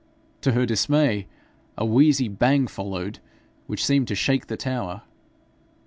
To her dismay, a wheezy bang followed, which seemed to shake the tower.